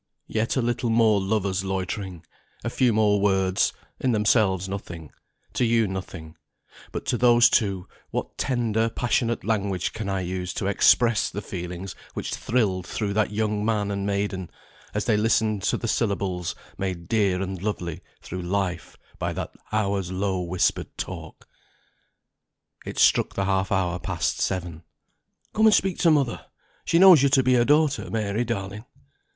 Yet a little more lovers' loitering; a few more words, in themselves nothing to you nothing, but to those two what tender passionate language can I use to express the feelings which thrilled through that young man and maiden, as they listened to the syllables made dear and lovely through life by that hour's low whispered talk. It struck the half hour past seven. "Come and speak to mother; she knows you're to be her daughter, Mary, darling."